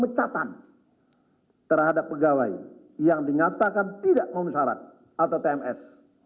dengatakan melakukan pemecatan terhadap pegawai yang dinyatakan tidak memusarat atau tms